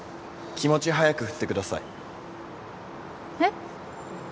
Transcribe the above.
気持ち早く振ってくださいえっ？